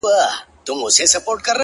چي په لاسونو كي رڼا وړي څوك”